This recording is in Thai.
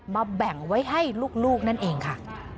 แบ่งไว้ให้ลูกนั่นเองค่ะ